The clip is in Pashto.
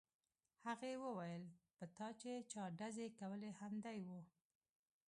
هغې وویل په تا چې چا ډزې کولې همدی و